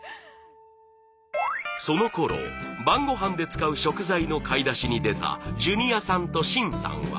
そのころ晩ごはんで使う食材の買い出しに出たジュニアさんと愼さんは。